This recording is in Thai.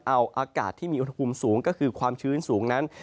เอาอากาศที่มีอุณหภูมิสูงก็คือความชื้นสูงนั้น